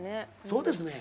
「そうですね」？